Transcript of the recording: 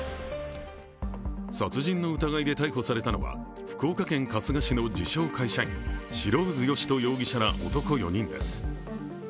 殺人の疑いで逮捕されたのは福岡県春日市の自称・会社員白水義人容疑者ら男４人です。